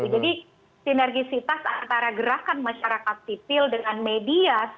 jadi sinergisitas antara gerakan masyarakat sipil dengan media